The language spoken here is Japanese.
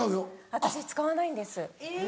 私使わないんです。